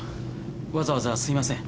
わざわざすいません。